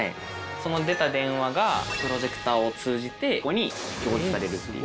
その出た電話がプロジェクターを通じてここに表示されるっていう。